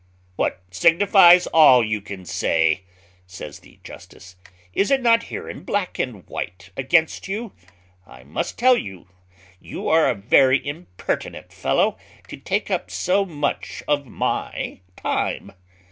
"What signifies all you can say?" says the justice: "is it not here in black and white against you? I must tell you you are a very impertinent fellow to take up so much of my time.